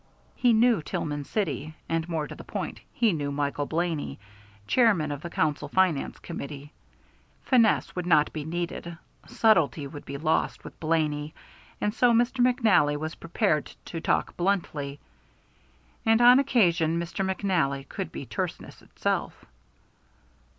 He knew Tillman City, and more to the point, he knew Michael Blaney, Chairman of the Council Finance Committee. Finesse would not be needed, subtlety would be lost, with Blaney, and so Mr. McNally was prepared to talk bluntly. And on occasion Mr. McNally could be terseness itself.